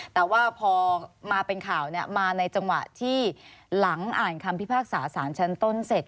แต่ว่าพอมาเป็นข่าวมาในจังหวะที่หลังอ่านคำพิพากษาสารชั้นต้นเสร็จ